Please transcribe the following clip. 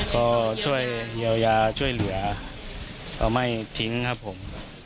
ก็ช่วยเยียวยาช่วยเหลือเอาไม่ทิ้งครับผม